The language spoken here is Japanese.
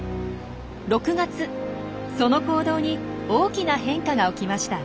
その行動に大きな変化が起きました。